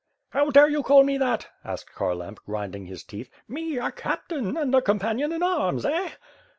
"How dare you call me that?" asked Kharlamp, grinding his teeth, "me, a captain, and a companion in arms, eh?"